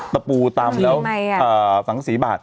ตะปูตำแล้วสังสีบาท